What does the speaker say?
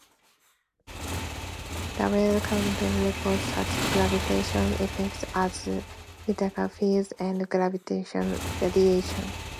The Weyl curvature represents such gravitational effects as tidal fields and gravitational radiation.